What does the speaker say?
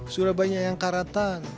sudah banyak yang karatan